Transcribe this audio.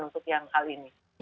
untuk yang hal ini